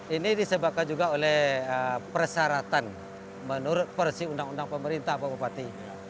ini disebabkan juga oleh persyaratan menurut versi undang undang pemerintah pak bupati